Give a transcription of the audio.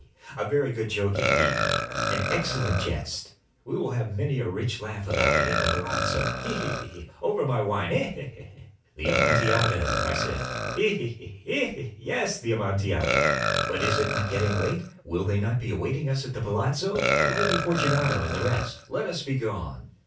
he!—a very good joke indeed—an excellent jest. We will have many a rich laugh about it at the palazzo—he! he! he!—over our wine—he! he! he!" "The Amontillado!" I said. "He! he! he!—he! he! he!—yes, the Amontillado. But is it not getting late? Will not they be awaiting us at the palazzo, the Lady Fortunato and the rest? Let us be gone."